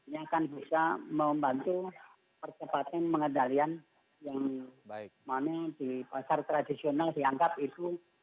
ini akan bisa membantu percepatan mengendalian yang mana di pasar tradisional dianggap itu